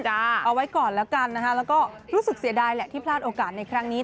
เอาไว้ก่อนแล้วกันนะคะแล้วก็รู้สึกเสียดายแหละที่พลาดโอกาสในครั้งนี้